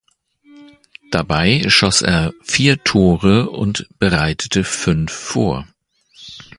Dabei schoss er vier Tore und bereitete fünf vor.